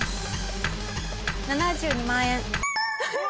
７２万円。